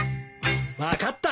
分かった。